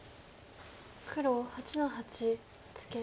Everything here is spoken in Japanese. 黒８の八ツケ。